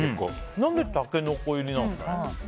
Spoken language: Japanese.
何でタケノコ入りなんですか？